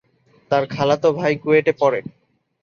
তার খালাতো ভাই কুয়েটে পড়ে।